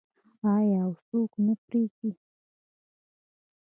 آیا او څوک نه پریږدي؟